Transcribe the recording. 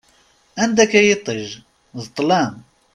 Anda-k a yiṭij, d ṭṭlam!